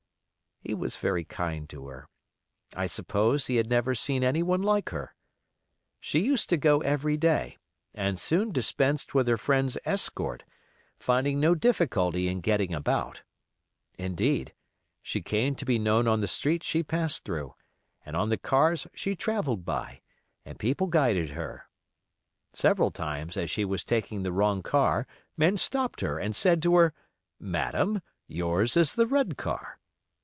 He was very kind to her. I suppose he had never seen anyone like her. She used to go every day, and soon dispensed with her friend's escort, finding no difficulty in getting about. Indeed, she came to be known on the streets she passed through, and on the cars she travelled by, and people guided her. Several times as she was taking the wrong car men stopped her, and said to her, "Madam, yours is the red car."